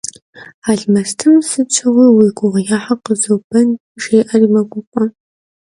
Almestım «sıts'ıxu yi guğeu her khızoben» jjê'eri meguf'e.